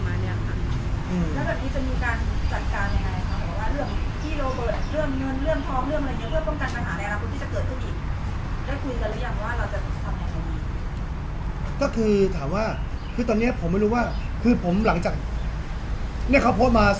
แล้วแบบนี้จะมีการจัดการยังไงครับเพราะว่าเรื่องที่โลเบิร์ดเรื่องท้องเรื่องอะไรอย่างนี้เพื่อป้องกันปัญหาในห้องคุณที่จะเกิดขึ้นอีกได้คุยกันหรือยังว่าเราจะทำอย่างไรดี